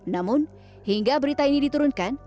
namun hingga berita ini diturunkan